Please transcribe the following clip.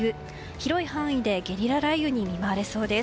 広い範囲でゲリラ雷雨に見舞われそうです。